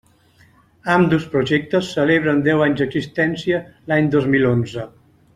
Ambdós projectes celebren deu anys d'existència l'any dos mil onze.